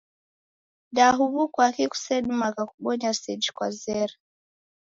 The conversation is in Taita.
Da huw'u kwaki kusedimagha kubonya seji kwazera.